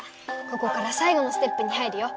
ここからさいごのステップに入るよ。